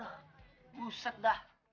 aduh buset dah